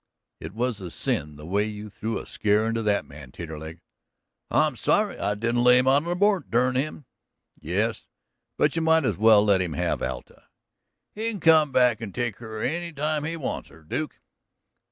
"It was a sin the way you threw a scare into that man, Taterleg." "I'm sorry I didn't lay him out on a board, dern him!" "Yes, but you might as well let him have Alta." "He can come back and take her any time he wants her, Duke."